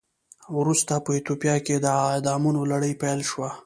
ورسته په ایتوپیا کې د اعدامونو لړۍ پیل شوه.